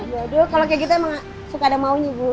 ya bodoh kalo kayak gitu emang gak suka ada maunya bu